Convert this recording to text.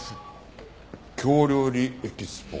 「京料理エキスポ」。